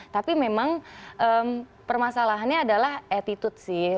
tapi memang permasalahannya adalah attitude sih